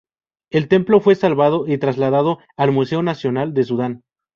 El templo fue salvado y trasladado al Museo nacional de Sudán.